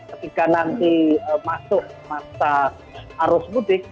ketika nanti masuk masa arus mudik